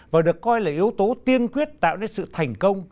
và được coi là yếu tố tiên quyết tạo nên sự thành công